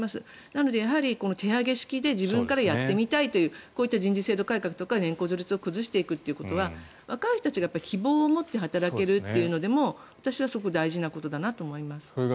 なので、手上げ式で自分からやってみたいというこういう人事制度改革とか年功序列を崩していくというのは若い人たちが希望を持って働けるというのでも私はすごく大事なことだなと思います。